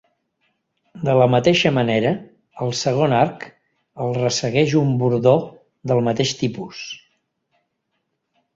De la mateixa manera, al segon arc el ressegueix un bordó del mateix tipus.